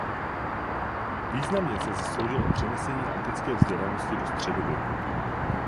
Významně se zasloužil o přenesení antické vzdělanosti do středověku.